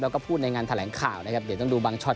แล้วก็พูดในงานแถลงข่าวนะครับเดี๋ยวต้องดูบางช็อ